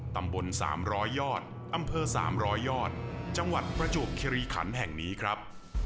ตำบล๓๐๐ยอดอำเภอ๓๐๐ยอดจังหวัดประจวบคิริขันแห่งนี้ครับ